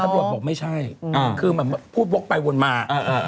แต่ตำรวจบอกไม่ใช่คือผู้บกไปวนมา